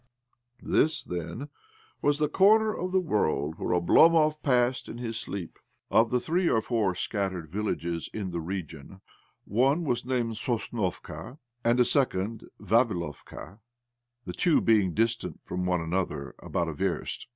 This, then, was the corner of the world whither Oblomov passed in his sleep. Of the three or four scattered villages in the region, one was named Sosnovka, and a second Vavilovka — the two being distant from one another about a verst.